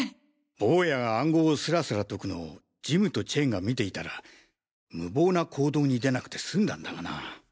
ボウヤが暗号をスラスラ解くのをジムとチェンが見ていたら無謀な行動に出なくて済んだんだがな。